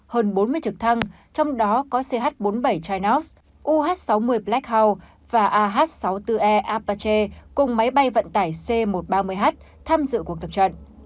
hơn bốn mươi trực thăng trong đó có ch bốn mươi bảy chinas uh sáu mươi black house và ah sáu mươi bốn e apache cùng máy bay vận tải c một trăm ba mươi h tham dự cuộc tập trận